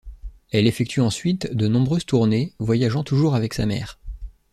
Elle effectue ensuite de nombreuses tournées, voyageant toujours avec sa mère.